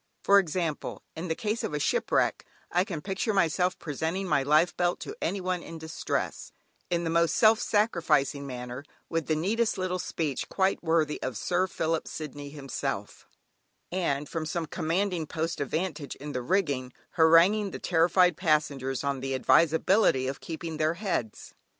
For example, in the case of a shipwreck, I can picture myself presenting my life belt to any one in distress, in the most self sacrificing manner, with the neatest little speech, quite worthy of "Sir Philip Sidney" himself, and from some commanding post of vantage in the rigging, haranguing the terrified passengers on the advisability of keeping their heads.